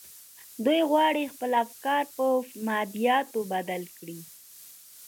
دوی غواړي خپل افکار پر مادياتو بدل کړي.